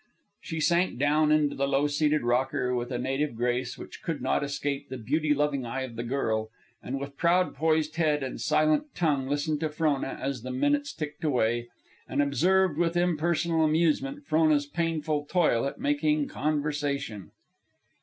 She sank down into the low seated rocker with a native grace which could not escape the beauty loving eye of the girl, and with proud poised head and silent tongue listened to Frona as the minutes ticked away, and observed with impersonal amusement Frona's painful toil at making conversation.